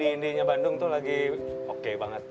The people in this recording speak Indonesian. indie indienya bandung tuh lagi oke banget